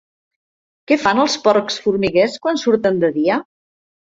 Què fan els porcs formiguers quan surten de dia?